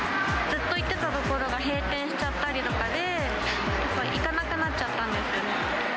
ずっと行っていた所が閉店しちゃったりとかで、行かなくなっちゃったんですよね。